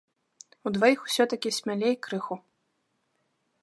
Удваіх усё-такі смялей крыху.